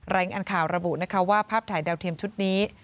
รายงานข่าวระบุนะคะว่าภาพถ่ายดาวเทียมชุดนี้